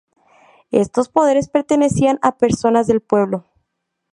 Estos poderes pertenecían a personas del pueblo.